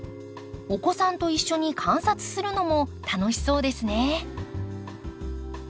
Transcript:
お子さんと一緒に観察するのも楽しそうですね。